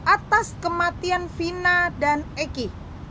atas kematian vina dan egy